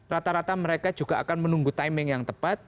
rata rata mereka juga akan menunggu timing yang tepat